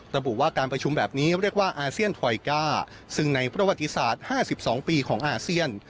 ระบุว่าการประชุมแบบนี้เรียกว่าอาเซียนทอยก้าซึ่งในประวัติศาสตร์๕๒ปีของอาเซียน